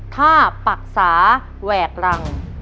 ถ้าปรักษาแหวกรัง